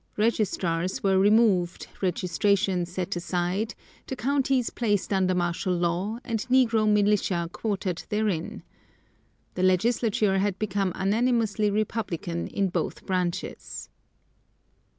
Registrars were removed, registration set aside, the counties placed under martial law, and negro militia quartered therein. The legislature had become unanimously Republican in both branches.